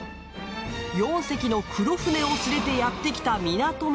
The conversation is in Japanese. ４隻の黒船を連れてやってきた港町。